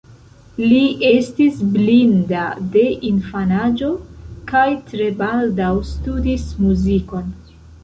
Li estis blinda de infanaĝo, kaj tre baldaŭ studis muzikon.